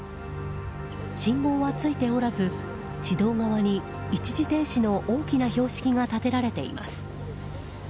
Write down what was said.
信号はついておらず市道側に、一時停止の大きな標識が立てられています。